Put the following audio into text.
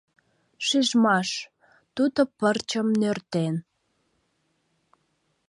Шижмаш-туто пырчым нӧртен.